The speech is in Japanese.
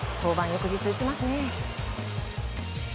翌日、打ちますね。